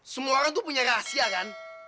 semua orang tuh punya rahasia kan